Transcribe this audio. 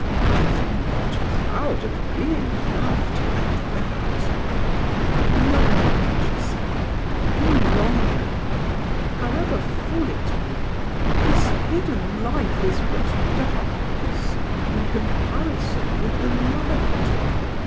"Are you not proud of being loved like that?" "No," she said, "no longer. However full it be, this hidden life is but darkness in comparison with the light."